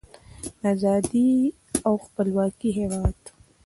د ازادۍ او خپلواکۍ هیواد.